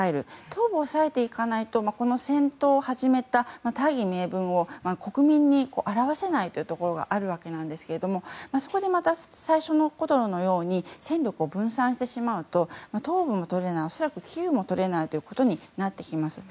東部を押さえていかないとこの戦闘を始めた大義名分を国民に表せないというところがあるわけなんですがそこでまた最初の頃のように戦力を分散してしまうと東部も取れない、恐らくキーウも取れないということになってきます。